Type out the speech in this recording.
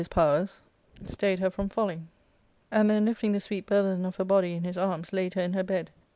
Sook IIL powers, stayed her from falling, and then lifting the sweet* burthen of her body in his arms laid her in her bed.